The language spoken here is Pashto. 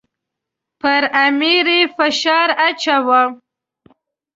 پر امیر یې فشار اچاوه.